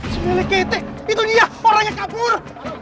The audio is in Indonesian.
sembilan ketik itu dia orang yang kabur